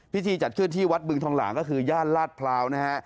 พิธีจัดขึ้นที่วัดเบื้องทองหลางก็คือญาติลาดพราวนะฮะ